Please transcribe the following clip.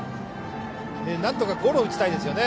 なんとかゴロを打ちたいですよね。